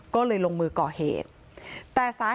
โปรดติดตามต่อไป